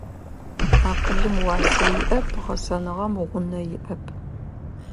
Акъылым уасэ иӏэп, гъэсэныгъэм гъунэ иӏэп.